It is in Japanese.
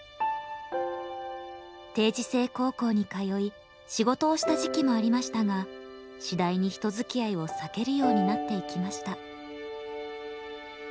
定時制高校に通い仕事をした時期もありましたが次第に人づきあいを避けるようになっていきました。